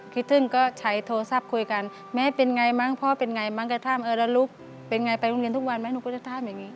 คิดถึงก็ใช้โทรศัพท์คุยกันแม่เป็นไงมั้งพ่อเป็นไงมั้งก็ถามเออแล้วลูกเป็นไงไปโรงเรียนทุกวันไหมหนูก็จะถามอย่างนี้